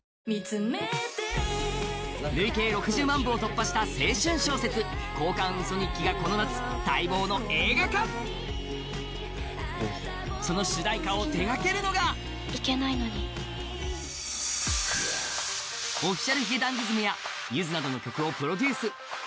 累計６０万部を突破した青春小説「交換ウソ日記」がこの夏待望の映画化その主題歌を手がけるのがＯｆｆｉｃｉａｌ髭男ｄｉｓｍやゆずなどの曲をプロデュース